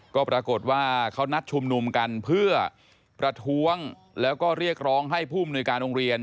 ก็ปรากฏว่าเขานัดชุมนุมกันเพื่อประท้วงแล้วก็เรียกร้องให้ผู้มนุยการโรงเรียน